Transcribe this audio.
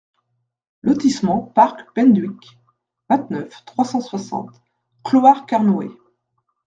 Lotissement Park Penduick, vingt-neuf, trois cent soixante Clohars-Carnoët